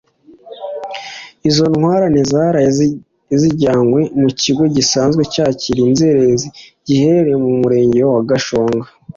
Izo ntwarane zaraye zijyanywe mu kigo gisanzwe cyakira inzererezi giherereye mu Murenge wa Gashonga